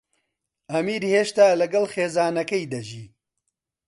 ئەمیر هێشتا لەگەڵ خێزانەکەی دەژی.